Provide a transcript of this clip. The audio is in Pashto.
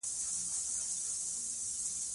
لعل د افغانستان د سیاسي جغرافیه برخه ده.